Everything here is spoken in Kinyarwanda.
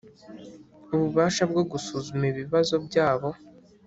ububasha bwo gusuzuma ibibazo byabo